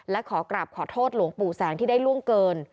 และขอกราบขอโทษหลวงปู่แสงที่ได้ล่วงเกิน